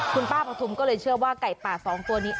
คุณป้าปฐุมก็เลยเชื่อว่าไก่ป่าสองตัวนี้